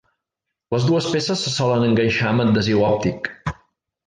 Les dues peces se solen enganxar amb adhesiu òptic.